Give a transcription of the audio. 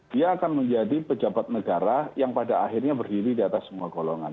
dia akan menjadi pejabat negara yang pada akhirnya berdiri di atas semua golongan